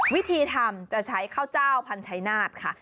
วิธีทำจะใช้ข้าวเจ้าพันชัยนาธค่ะ